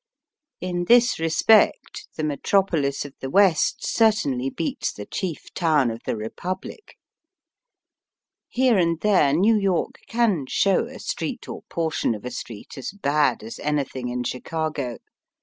In this respect the metropolis of the West certainly beats the chief town of the Eepublic. Here and there New York can show a street or portion of a street as bad as anything in Chicago.